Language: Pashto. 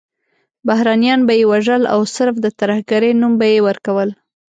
بهرنیان به یې وژل او صرف د ترهګرۍ نوم به یې ورکول.